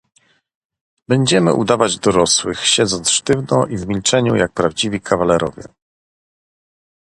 "„Będziemy udawać dorosłych, siedząc sztywno i w milczeniu, jak prawdziwi kawalerowie."